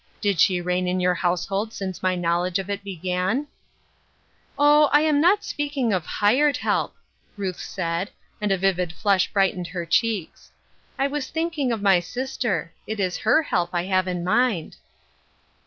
Did she reign in your household since my knowledge of it began ?"" Oh, I am not speaking of hired help," Ruth Baid, and a vivid flush brightened her cheeks. " I was thinking of my sister. It is her help I have in mind."